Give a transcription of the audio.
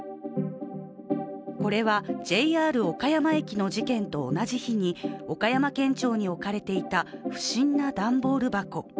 これは、ＪＲ岡山駅の事件と同じ日に岡山県庁に置かれていた不審な段ボール箱。